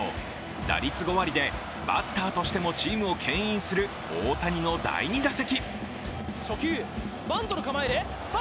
打率５割でバッターとしてもチームをけん引する大谷の第２打席。